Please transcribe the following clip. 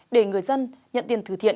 để người dân nhận tiền từ thiện